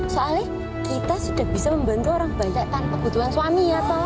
soalnya kita sudah bisa membantu orang banyak tanpa kebutuhan suami atau